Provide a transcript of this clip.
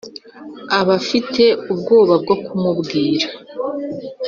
bafite ubwoba bwo kumubwira